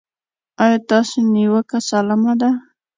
ایا ستاسو نیوکه سالمه ده؟